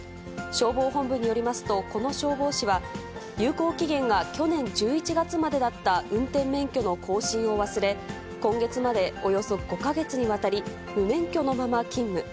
消防本部によりますと、この消防士は、有効期限が去年１１月までだった運転免許の更新を忘れ、今月までおよそ５か月にわたり、無免許のまま勤務。